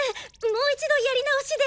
もう一度やり直しで。